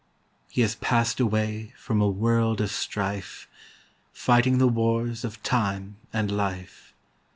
HE has passed away From a world of strife, Fighting the wars of Time and Life.